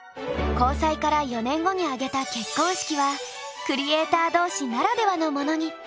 交際から４年後に挙げた結婚式はクリエーター同士ならではのものに！